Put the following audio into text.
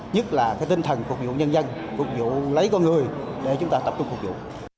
nhất là tinh thần phục vụ nhân dân phục vụ lấy con người để chúng ta tập trung phục vụ